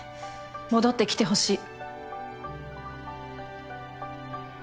戻ってきてほしい。